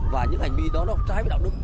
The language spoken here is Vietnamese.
và những hành vi đó nó trái với đạo đức